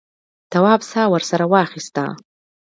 تواب سا ورسره واخیسته.